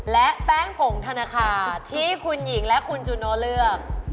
และแป้งผงธนาคารที่คุณหญิงและคุณจูโนเลือก